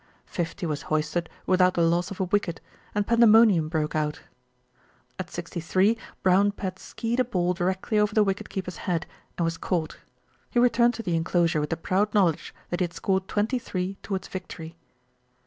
Fifty was hoisted without the loss of a wicket, and pandemonium broke out. At sixty three Brown Pad skied a ball directly over the wicket keeper's head, and was caught. He re turned to the enclosure with the proud knowledge that he had scored twenty three towards victory.